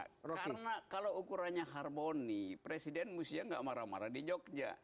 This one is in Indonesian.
karena kalau ukurannya harmoni presiden musuhnya gak marah marah di jogja